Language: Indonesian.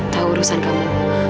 tahu urusan kamu